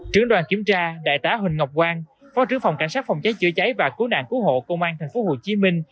trưởng đoàn kiểm tra đại tá huỳnh ngọc quang phó trưởng phòng cảnh sát phòng cháy chữa cháy và cứu nạn cứu hộ công an tp hcm